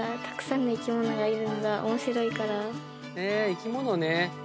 生き物ね。